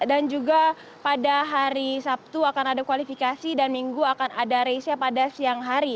dan juga pada hari sabtu akan ada kualifikasi dan minggu akan ada racenya pada siang hari